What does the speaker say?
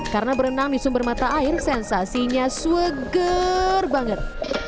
karena berenang di sumber mata air sensasinya sweger banget